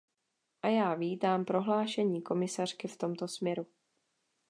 A já vítám prohlášení komisařky v tomto směru.